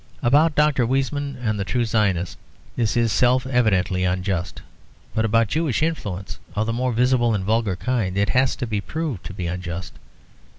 About Dr. Weizmann and the true Zionists this is self evidently unjust; but about Jewish influence of the more visible and vulgar kind it has to be proved to be unjust.